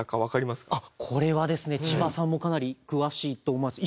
これはですね千葉さんもかなり詳しいと思います。